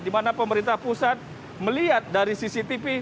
di mana pemerintah pusat melihat dari cctv